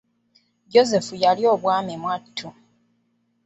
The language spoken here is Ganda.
Joseph yalya obwami mwattu.